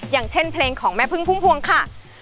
อย่างเช่นเพลงของแม่พึ่งพุ่มพวงค่ะ